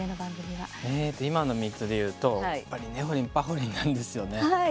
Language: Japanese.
ええと、今の３つで言うとやっぱり「ねほりんぱほりん」なんですよね。